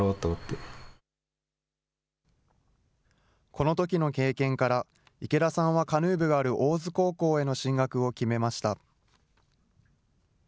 この時の経験から、池田さんはカヌー部がある大洲高校への進学を決めました。